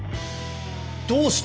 どうして！？